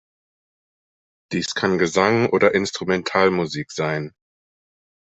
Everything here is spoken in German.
Dies kann Gesang oder Instrumentalmusik sein.